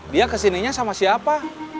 dia kesininya sama siapa